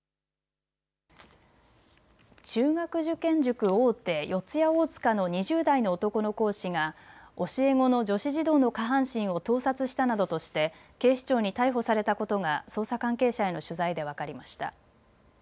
中学受験塾大手、四谷大塚の２０代の男の講師が教え子の女子児童の下半身を盗撮したなどとして警視庁に逮捕されたことが捜査関係者への取材で分かりました。